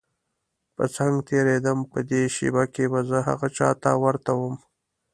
په څنګ تېرېدم په دې شېبه کې به زه هغه چا ته ورته وم.